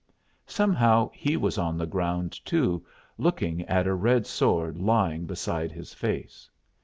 Somehow he was on the ground too, looking at a red sword lying beside his face.